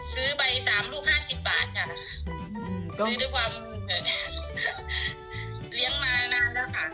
ซื้อไปสามลูกห้าสิบบาทค่ะซื้อด้วยความเลี้ยงมานานแล้วค่ะ